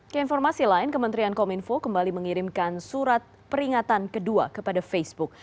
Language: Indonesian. keinformasi lain kementerian kominfo kembali mengirimkan surat peringatan kedua kepada facebook